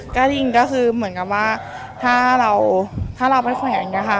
ก็ยิงก็คือเหมือนกับว่าถ้าเราถ้าเราไปแขวนนะคะ